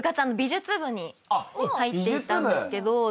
美術部に入っていたんですけど。